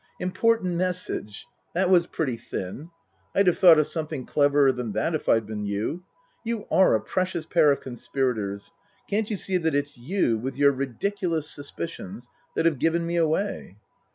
" Important message ! That was pretty thin. I'd have thought of something cleverer than that if I'd been you. You are a precious pair of conspirators. Can't you see that it's you with your ridiculous suspicions that have given me away